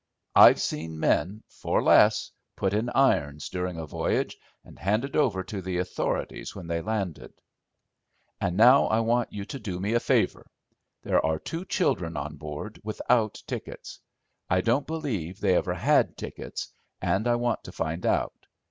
I've seen men, for less, put in irons during a voyage and handed over to the authorities when they landed. And now I want you to do me a favour. There are two children on board without tickets. I don't believe they ever had tickets, and I want to find out.